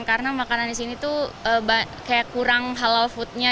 karena makanan di sini tuh kayak kurang halal foodnya